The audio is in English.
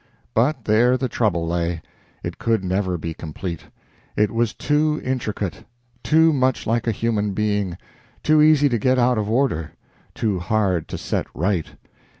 But there the trouble lay. It could never be complete. It was too intricate, too much like a human being, too easy to get out of order, too hard to set right.